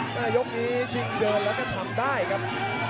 ฟ้ายกมีจิงเทอดและก็ทำได้ครับ